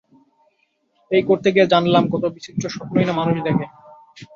এই করতে গিয়ে জানলাম কত বিচিত্র স্বপ্নই না মানুষ দেখে।